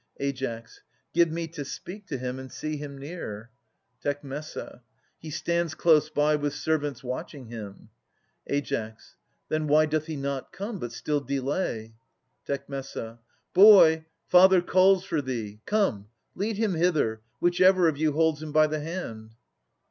Ai. Give me to speak to him and see him near. Tec. He stands close by with servants watching him. Ai. Then why doth he not come, but still delay? Tec. Boy, father calls for thee. Come, lead him hither, Whichever of you holds him by the hand.